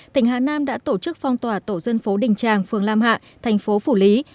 tỉnh hà nam đã tổ chức phong tỏa tổ dân phố đình tràng phường lam hạ thành phố phủ lý